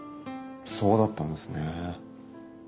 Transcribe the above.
そうだったんですね。